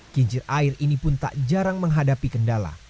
kincir air ini pun tak jarang menghadapi kendala